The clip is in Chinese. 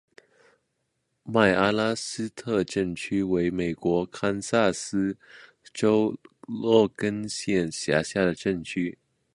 麦阿拉斯特镇区为美国堪萨斯州洛根县辖下的镇区。